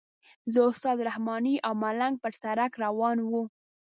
زه استاد رحماني او ملنګ پر سړک روان وو.